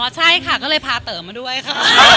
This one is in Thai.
ใช่ค่ะก็เลยพาเต๋อมาด้วยค่ะ